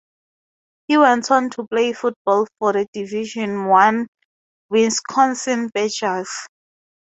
He went on to play football for the division one Wisconsin Badgers.